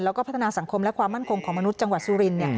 แล้วก็พัฒนาสังคมและความมั่นคงของมนุษย์จังหวัดสุรินทร์